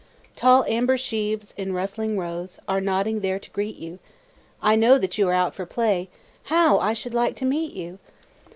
Tall amber sheaves, in rustling rows, Are nodding there to greet you; I know that you are out for play How I should like to meet you!